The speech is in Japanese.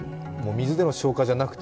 水での消火ではなくて。